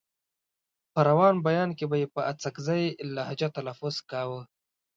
په روان بيان کې به يې په اڅکزۍ لهجه تلفظ کاوه.